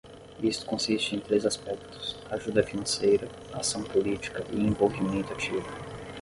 Isto consiste em três aspectos: ajuda financeira, ação política e envolvimento ativo.